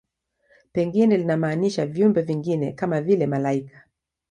Pengine linamaanisha viumbe vingine, kama vile malaika.